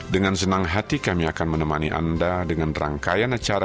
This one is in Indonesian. dengan senang hati kami akan menemani anda dengan rangkaian acara